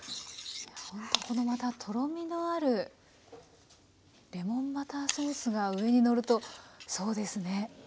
このまたとろみのあるレモンバターソースが上にのるとそうですね